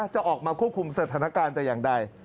จะออกมาควบคุมสถานการณ์แต่อย่างใด